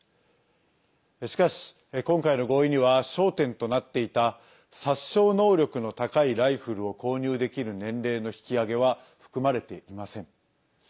しかし、今回の合意には焦点となっていた殺傷能力の高いライフルを購入できる年齢の引き上げは含まれていません。